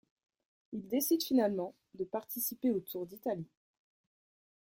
Il décide finalement de participer au Tour d'Italie.